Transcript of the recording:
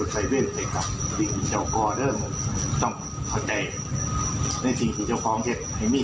เจ้าจับมั้ยเจยะวึกม่าเจดแล้วยิ่งหลวงไปก่อนก็จะ่บอก